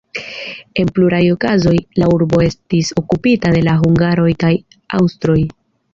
En pluraj okazoj, la urbo estis okupita de la hungaroj kaj aŭstroj.